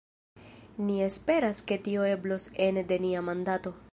Ni esperas ke tio eblos ene de nia mandato.